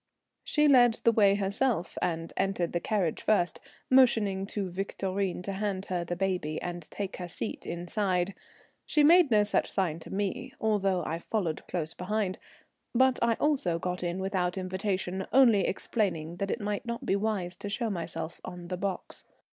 She led the way herself and entered the carriage first, motioning to Victorine to hand her the baby and take her seat inside. She made no such sign to me, although I followed close behind. But I also got in without invitation, only explaining that it might not be wise to show myself on the box.